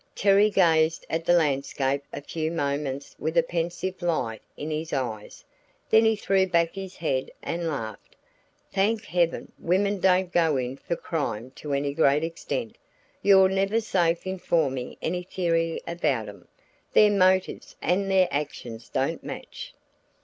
Terry gazed at the landscape a few moments with a pensive light in his eyes, then he threw back his head and laughed. "Thank heaven, women don't go in for crime to any great extent! You're never safe in forming any theory about 'em their motives and their actions don't match."